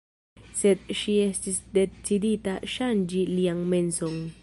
Sed ŝi estis decidita ŝanĝi lian menson.